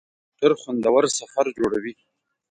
موټر خوندور سفر جوړوي.